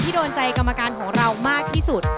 โดนใจกรรมการของเรามากที่สุด